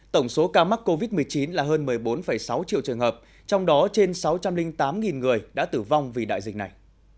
tổng số ca mắc covid một mươi chín là hơn một mươi bốn sáu triệu trường hợp trong đó trên sáu trăm linh tám người đã tử vong vì đại dịch này